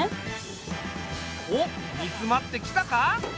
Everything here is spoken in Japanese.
おっ煮詰まってきたか？